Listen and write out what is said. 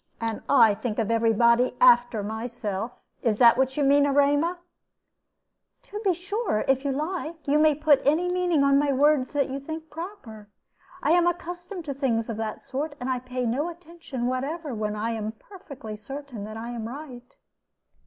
"And I think of every body after myself. Is that what you mean, Erema?" "To be sure! if you like. You may put any meaning on my words that you think proper. I am accustomed to things of that sort, and I pay no attention whatever, when I am perfectly certain that I am right."